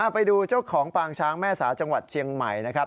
ไปดูเจ้าของปางช้างแม่สาจังหวัดเชียงใหม่นะครับ